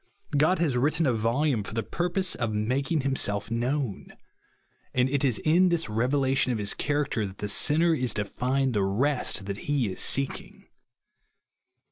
God has written a voJame for the purpose of mak ing himself known ; and it is in tliis reve lation of his character that the sinner is to find the rest that he is seeking.